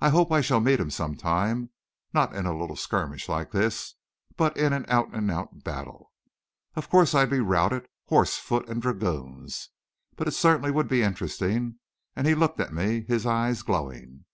I hope I shall meet him some time not in a little skirmish like this, but in an out and out battle. Of course I'd be routed, horse, foot and dragoons but it certainly would be interesting!" and he looked at me, his eyes glowing.